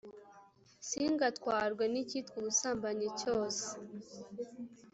Singatwarwe n’icyitwa ubusambanyi cyose,